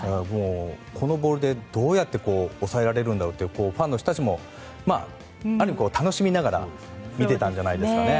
このボールで、どうやって抑えられるんだろうってファンの人たちもある意味、楽しみながら見ていたんじゃないですかね。